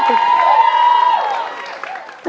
พี่โน่นลูกมาหนูก็เอาแทน